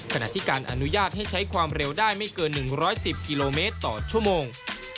ขณะที่การอนุญาตให้ใช้ความเร็วได้ไม่เกิน๑๑๐กิโลเมตรต่อชั่วโมง